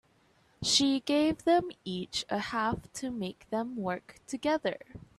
She gave them each a half to make them work together.